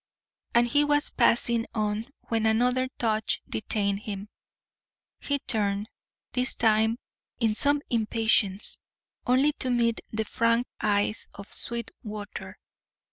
And he was passing on when another touch detained him. He turned, this time in some impatience, only to meet the frank eyes of Sweetwater.